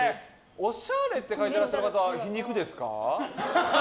おしゃれって書いてらっしゃる方は皮肉ですか？